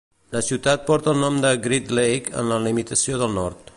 La ciutat porta el nom de Great Lake en la limitació del nord.